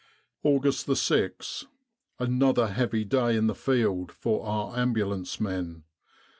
4 'August 6th. Another heavy day in the field for our Ambulance men.